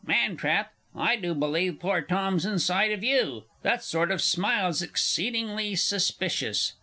Man trap, I do believe poor Tom's inside of you! That sort of smile's exceedingly suspicious.